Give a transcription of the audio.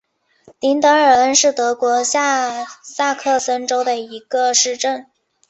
林德尔恩是德国下萨克森州的一个市镇。